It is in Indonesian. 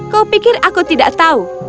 kau pikir aku tidak tahu